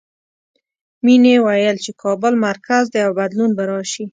مینې ویل چې کابل مرکز دی او بدلون به راشي